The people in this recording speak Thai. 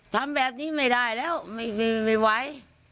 ทำแบบนี้ไม่ได้แล้วไม่ไหว